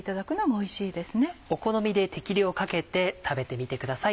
お好みで適量をかけて食べてみてください。